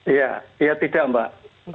iya iya tidak mbak